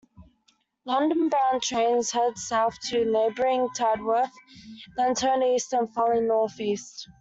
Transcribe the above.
London-bound trains head south to neighbouring Tadworth, then turn east and finally north-east.